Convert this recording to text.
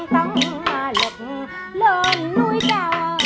căn lụt lên núi cha